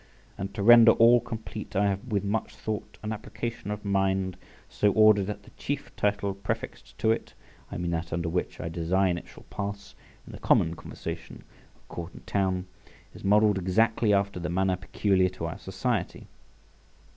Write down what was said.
And to render all complete I have with much thought and application of mind so ordered that the chief title prefixed to it (I mean that under which I design it shall pass in the common conversation of court and town) is modelled exactly after the manner peculiar to our society.